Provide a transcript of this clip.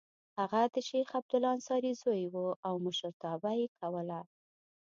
هغه د شیخ عبدالله انصاري زوی و او مشرتابه یې کوله.